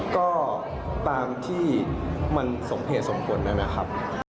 ก็ตามที่มันสมเหตุสมควรนั่นนะครับ